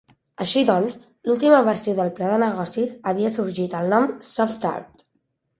Així doncs, l'última versió del pla de negocis havia suggerit el nom "SoftArt".